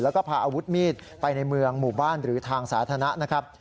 แล้วก็พาอาวุธมีดไปในเมืองหมู่บ้านหรือทางสาธารณะนะครับ